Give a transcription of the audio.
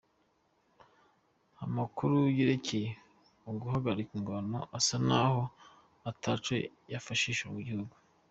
Amakuru yerekeye uguhagarika ingwano asa naho ataco yafashije mu gihugu.